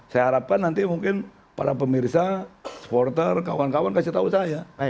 saya harapkan nanti mungkin para pemirsa supporter kawan kawan kasih tahu saya